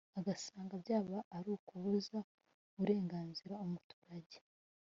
agasanga byaba ari ukubuza uburenganzira umuturage